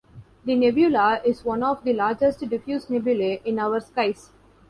The nebula is one of the largest diffuse nebulae in our skies.